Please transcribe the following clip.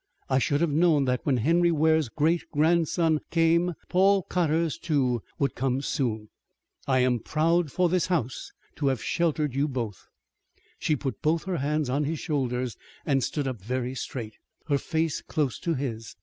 I should have known that when Henry Ware's great grandson came Paul Cotter's, too, would come soon. I am proud for this house to have sheltered you both." She put both her hands on his shoulders, and stood up very straight, her face close to his.